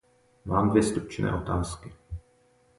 Mám dvě stručné otázky.